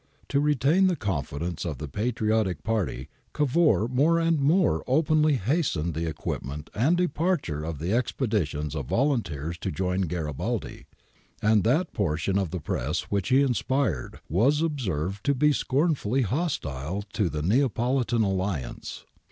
'^ To retain the confidence of the patriotic party Cavour more and more openly hastened the equipment and departure of the expeditions of volunteers to join Garibaldi, and that portion of the press which he inspired was observed to be scornfully hostile to the Neapolitan alliance."